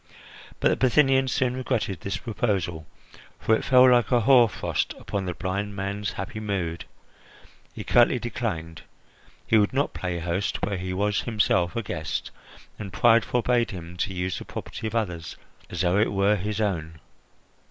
But the Bithynian soon regretted this proposal, for it fell like a hoar frost upon the blind man's happy mood. He curtly declined. He would not play host where he was himself a guest, and pride forbade him to use the property of others as though it were his own.